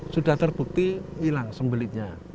sudah terbukti hilang sembelitnya